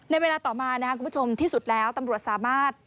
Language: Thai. เวลาต่อมานะครับคุณผู้ชมที่สุดแล้วตำรวจสามารถ